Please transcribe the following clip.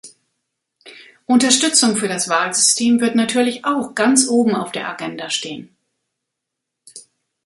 Unterstützung für das Wahlsystem wird natürlich auch ganz oben auf der Agenda stehen.